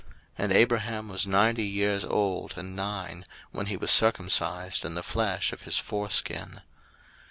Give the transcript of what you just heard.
01:017:024 And Abraham was ninety years old and nine, when he was circumcised in the flesh of his foreskin.